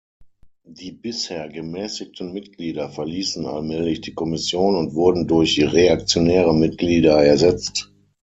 Die bisher gemäßigten Mitglieder verließen allmählich die Kommission und wurden durch reaktionäre Mitglieder ersetzt.